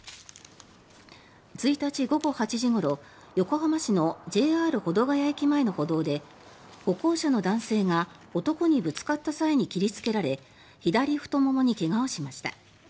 １日午後８時ごろ横浜市のＪＲ保土ケ谷駅前の歩道で歩行者の男性が男にぶつかった際に切りつけられ左太ももに怪我をしました。